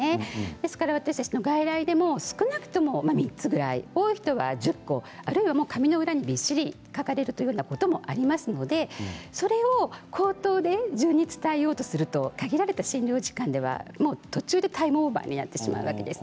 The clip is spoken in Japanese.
ですから私たちの外来でも少なくとも３つぐらい、多い人は１０個あるいは紙の裏にびっしり書かれるということもありますのでそれを口頭で順番に伝えようとすると限られた診療時間では途中でタイムオーバーになってしまいます。